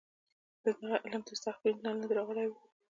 دغه علم تر سخت برید لاندې راغلی و.